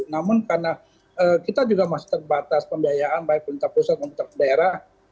namun karena kita juga masih terbatas pembiayaan baik pemerintah pusat pemerintah daerah